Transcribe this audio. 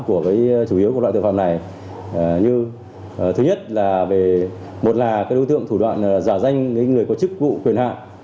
của chủ yếu của loại tội phạm này như thứ nhất là một là đối tượng thủ đoạn giả danh người có chức vụ quyền hạng